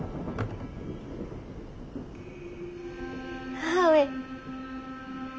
母上。